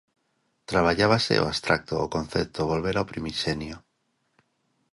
Traballábase o abstracto, o concepto, volver ao primixenio.